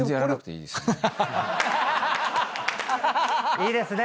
いいですね